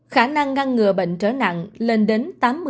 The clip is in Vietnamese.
khả năng ngăn ngừa bệnh trở nặng lên đến tám mươi